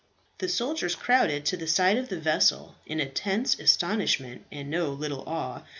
The soldiers crowded to the side of the vessel, in intense astonishment and no little awe.